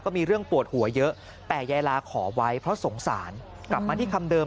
มีเรื่องปวดหัวเยอะแต่ยายลาขอไว้เพราะสงสารกลับมาที่คำเดิม